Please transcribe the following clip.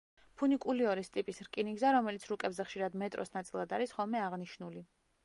ფუნიკულიორის ტიპის რკინიგზა, რომელიც რუკებზე ხშირად მეტროს ნაწილად არის ხოლმე აღნიშნული.